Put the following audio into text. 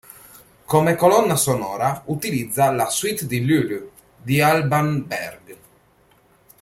Come colonna sonora utilizza "La suite di Lulu" di Alban Berg.